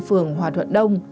phường hòa thuận đông